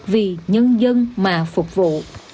vì nhân dân mà phục vụ